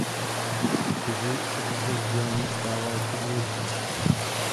V krizi se toto sdělení stává ještě důležitějším.